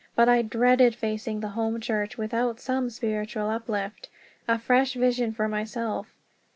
But I dreaded facing the Home Church without some spiritual uplift, a fresh vision for myself.